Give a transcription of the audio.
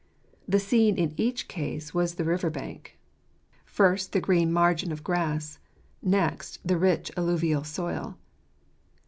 The scene in each case was the river bank ; first the green margin of grass, next the rich alluvial soil.